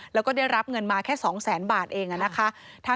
แล้วก็ได้รับเงินมาแค่๒แสนบาทเองนะคะ